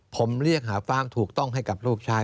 ผมเรียกหาความถูกต้องให้กับลูกชาย